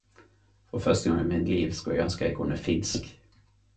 For første gong i mitt liv skulle eg ønske eg kunne finsk.